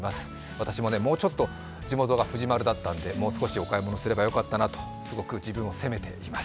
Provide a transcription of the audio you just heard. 私も地元が藤丸だったんで、もうちょっとお買い物すればよかったとすごく自分を責めています。